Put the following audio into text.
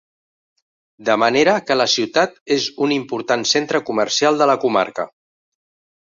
De manera que la ciutat és un important centre comercial de la comarca.